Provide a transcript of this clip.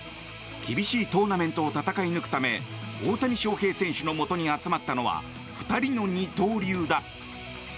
厳しいトーナメントを戦い抜くため大谷翔平選手のもとに集まったのは２人の二刀流だ。